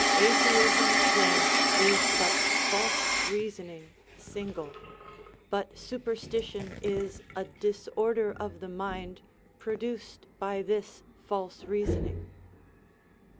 Atheism then is but false reason ing single, but superstition is a disorder of the mind pro duced by this false reasoning.